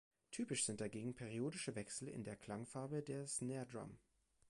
Typisch sind dagegen periodische Wechsel in der Klangfarbe der Snaredrum.